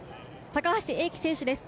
高橋英輝選手です。